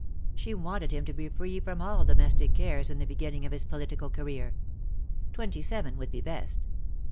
She wanted him to be free from all domestic cares in the begin ning of his political career. Twenty seven would be best.